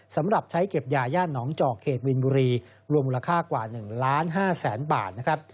สำหรับใช้เก็บยาย่านหนองจอกเขตวินบุรีรวมมูลค่ากว่า๑๕๐๐๐๐๐บาท